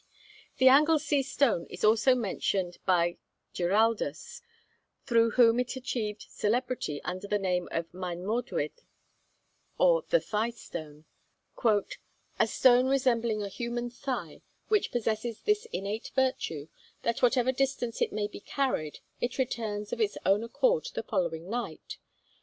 The Anglesea stone is also mentioned by Giraldus, through whom it achieved celebrity under the name of Maen Morddwyd, or the Thigh Stone 'a stone resembling a human thigh, which possesses this innate virtue, that whatever distance it may be carried it returns of its own accord the following night.